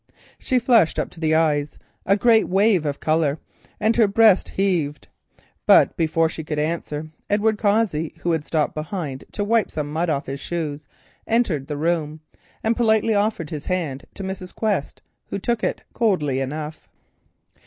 She flushed up to the eyes, a great wave of colour, and her breast heaved; but before she could answer, Edward Cossey, who had stopped behind to wipe some mud off his shoes, entered the room, and politely offered his hand to Mrs. Quest, who took it coldly enough.